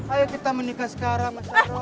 ayo kita menikah sekarang